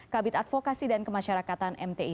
kabit advokasi dan kemasyarakatan mti